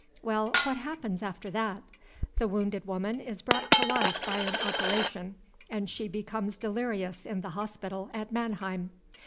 Well, what happens after that? The wounded woman is brought to life by an operation, and she becomes delirious in the hospital at Mannheim.